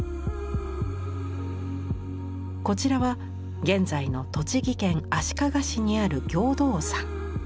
こちらは現在の栃木県足利市にある行道山。